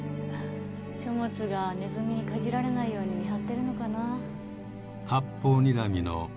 書物がネズミにかじられないように見張ってるのかな。